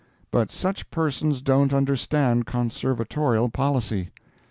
But such persons don't understand conservatorial policy.